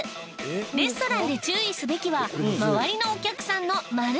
レストランで注意すべきは周りのお客さんの○○。